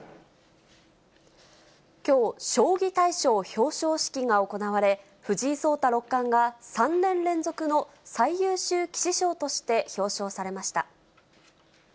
きょう、将棋大賞表彰式が行われ、藤井聡太六冠が３年連続の最優秀棋士賞として表彰されました。